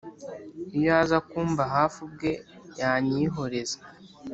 iyo aza kumba hafi ubwe yanyihoreza